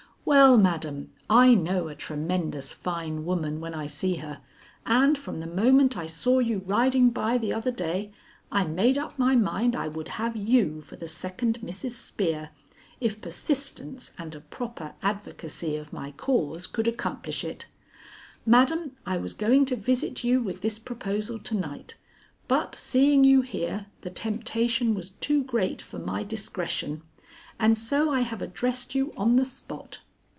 Well, madam, I know a tremendous fine woman when I see her, and from the moment I saw you riding by the other day, I made up my mind I would have you for the second Mrs. Spear, if persistence and a proper advocacy of my cause could accomplish it. Madam, I was going to visit you with this proposal to night, but seeing you here, the temptation was too great for my discretion, and so I have addressed you on the spot.